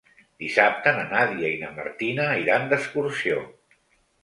Dissabte na Nàdia i na Martina iran d'excursió.